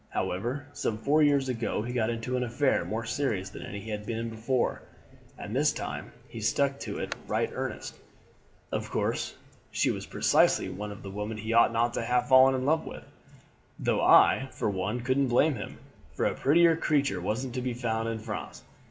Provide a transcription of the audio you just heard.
However, some four years ago he got into an affair more serious than any he had been in before, and this time he stuck to it in right earnest. Of course she was precisely one of the women he oughtn't to have fallen in love with, though I for one couldn't blame him, for a prettier creature wasn't to be found in France.